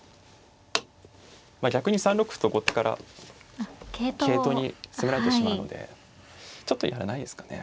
逆に３六歩と後手から桂頭に攻められてしまうのでちょっとやらないですかね。